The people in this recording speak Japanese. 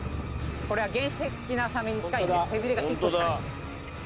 これは原始的なサメに近いんで背びれが１個しかないんです。